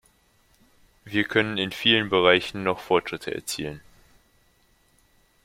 Wir können in vielen Bereichen noch Fortschritte erzielen.